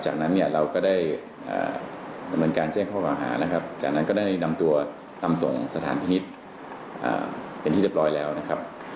จากนั้นเราก็ได้ดำเนินการแจ้งข้อความอาหารนะครับจากนั้นก็ได้นำตัวตำส่งสถานพิมิตรเป็นที่จะปล่อยแล้วนะครับ